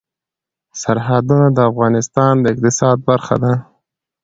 سرحدونه د افغانستان د اقتصاد برخه ده.